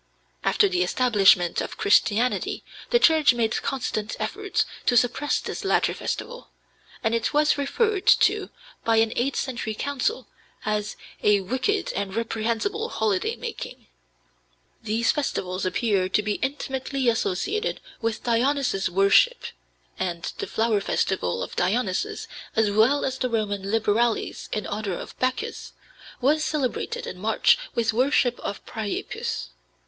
After the establishment of Christianity the Church made constant efforts to suppress this latter festival, and it was referred to by an eighth century council as "a wicked and reprehensible holiday making." These festivals appear to be intimately associated with Dionysus worship, and the flower festival of Dionysus, as well as the Roman Liberales in honor of Bacchus, was celebrated in March with worship of Priapus.